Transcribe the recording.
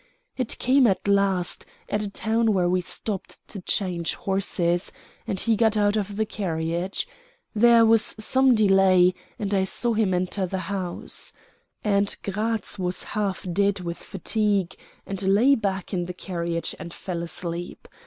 It came at last, at a town where we stopped to change horses, and he got out of the carriage. There was some delay; and I saw him enter the house. Aunt Gratz was half dead with fatigue, and lay back in the carriage and fell asleep.